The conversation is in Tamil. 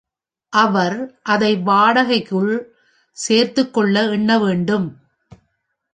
அவர் அதை வாடகைக்குள் சேர்த்துக் கொள்ள எண்ண வேண்டும்.